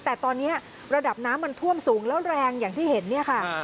แต่ตอนนี้ระดับน้ำมันท่วมสูงแล้วแรงอย่างที่เห็นเนี่ยค่ะ